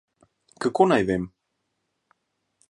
Kako naj vem?